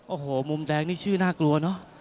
โอ้โหมุมแดงนี่ชื่อน่ากลัวเนอะ